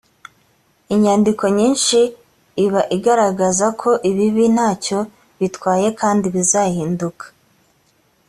inyandiko nyinshi iba igaragaza ko ibibi nta cyo bitwaye kandi bizahinduka